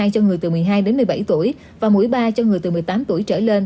cho người từ một mươi hai đến một mươi bảy tuổi và mũi ba cho người từ một mươi tám tuổi trở lên